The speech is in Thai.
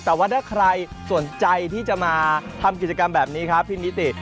แต่ว่าถ้าใครสนใจที่จะมาทำกิจกรรมแบบนี้ครับพี่นิติ